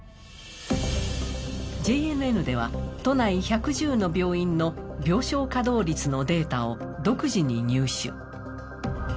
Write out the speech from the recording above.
ＪＮＮでは、都内１１０の病院の病床稼働率のデータを独自に入手。